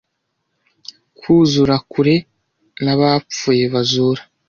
Kuzura kure n'abapfuye bazura,